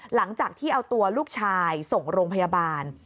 หลังจากที่เอาตัวลูกชายส่งโรงพยาบาล